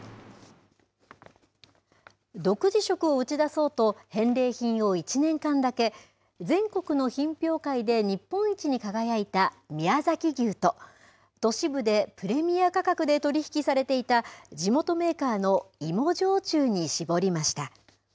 独自色を打ち出そうと、返礼品を１年間だけ、全国の品評会で日本一に輝いた宮崎牛と、都市部でプレミア価格で取り引きされていた地元メーカーの芋焼酎に絞りました。